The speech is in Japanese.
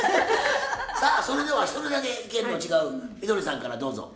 さあそれでは一人だけ意見の違うみどりさんからどうぞ。